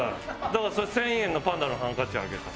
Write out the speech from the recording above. だからそれ１０００円のパンダのハンカチあげた。